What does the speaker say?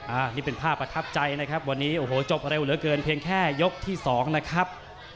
อันนี้เป็นภาพประทับใจนะครับวันนี้โอ้โหจบเร็วเหลือเกินเพียงแค่ยกที่สองนะครับ